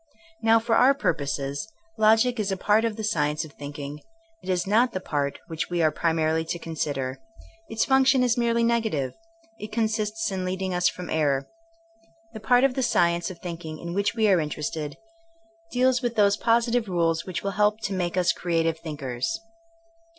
Now for our purposes logic is a part of the science of thinking, but it is not the part which we are primarily to consider. Its function is merely negative; it consists in leading us from error. The part of the science of thinking in which we are interested deals 10 THINEINO AS A SCIENOE with those positive rules which will help to make us creative thinkers.